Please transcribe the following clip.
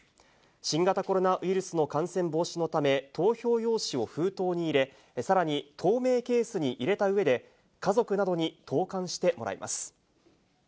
新型コロナウイルスの感染防止のため、投票用紙を封筒に入れ、さらに透明ケースに入れたうえで、家族などに投かんしてもらいます。